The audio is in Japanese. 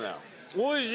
おいしい。